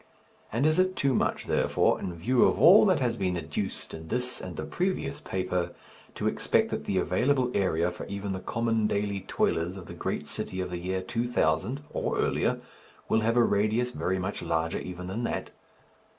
And is it too much, therefore, in view of all that has been adduced in this and the previous paper, to expect that the available area for even the common daily toilers of the great city of the year 2000, or earlier, will have a radius very much larger even than that?